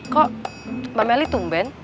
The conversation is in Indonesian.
kok mbak meli tumben